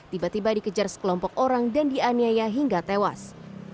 tiba tiba dikejar sekelompok orang dan dianiaya hingga tewas